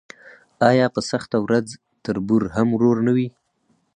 آیا په سخته ورځ تربور هم ورور نه وي؟